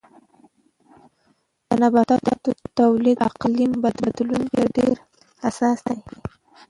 د نباتاتو تولید د اقلیم بدلون ته ډېر حساس دی.